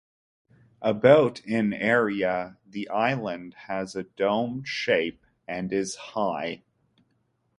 About in area, the island has a domed shape, and is high.